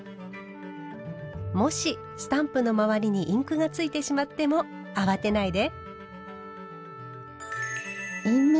もしスタンプの周りにインクがついてしまっても慌てないで。